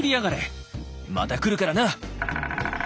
また来るからな」。